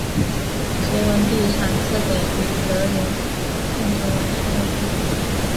隋文帝赏赐给李德林叛臣王谦的住宅。